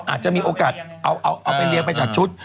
อาจจะมีโอกาสเอาไปเรียงไปจัดชุด